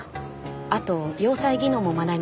あと洋裁技能も学びました。